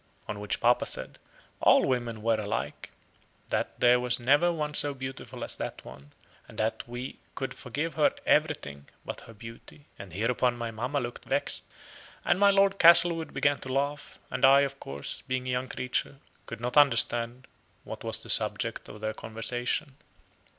On which papa said "All women were alike; that there was never one so beautiful as that one; and that we could forgive her everything but her beauty." And hereupon my mamma looked vexed, and my Lord Castlewood began to laugh; and I, of course, being a young creature, could not understand what was the subject of their conversation.